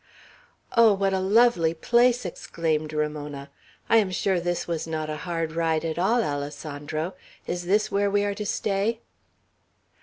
"Oh, what a lovely place." exclaimed Ramona. "I am sure this was not a hard ride at all, Alessandro! Is this where we are to stay?"